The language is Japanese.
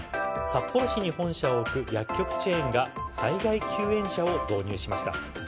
札幌市に本社を置く薬局チェーンが災害救援車を導入しました。